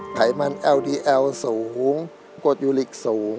ไขมันโอดีเอลสูงโกตยุริขสูง